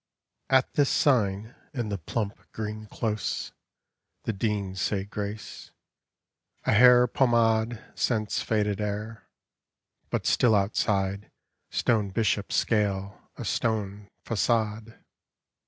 At this sign, in the plum] 1 close, The Dear gra< e. A bair pomade Scents faded air. I Jut still out^ Stone bishops scale a stone facade.